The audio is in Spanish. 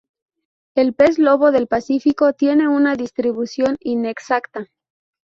El pez lobo del Pacífico tiene una distribución inexacta.